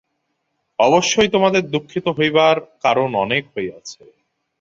অবশ্যই তোমাদের দুঃখিত হইবার কারণ অনেক হইয়াছে।